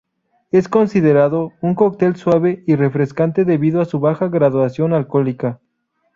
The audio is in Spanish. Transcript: Es considerado un cóctel suave y refrescante debido a su baja graduación alcohólica.